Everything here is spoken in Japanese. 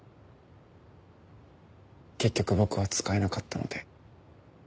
結局僕は使えなかったので。